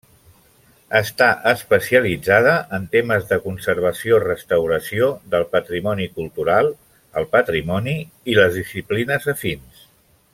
Està especialitzada en temes de conservació-restauració del patrimoni cultural, el patrimoni i les disciplines afins.